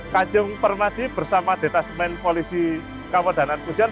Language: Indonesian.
kacung permadi bersama detesmen polisi kawedanan pujon